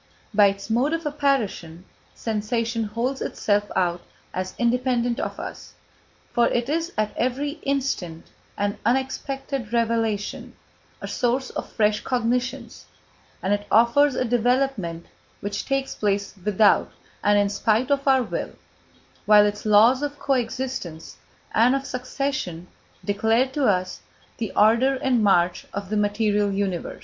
By its mode of apparition, sensation holds itself out as independent of us, for it is at every instant an unexpected revelation, a source of fresh cognitions, and it offers a development which takes place without and in spite of our will; while its laws of co existence and of succession declare to us the order and march of the material universe.